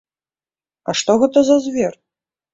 А што гэта за звер?